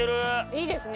いいですね。